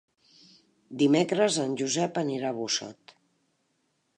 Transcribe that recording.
Dimecres en Josep anirà a Busot.